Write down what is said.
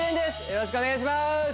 よろしくお願いします